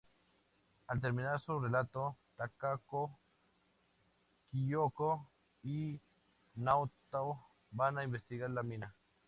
Al terminar su relato, Takako Kyoko y Naoto van a investigar la mina.